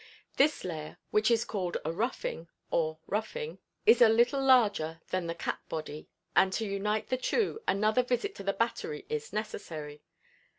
This layer, which is called a "ruffing" or "roughing," is a little larger than the cap body, and to unite the two, another visit to the "battery" is necessary.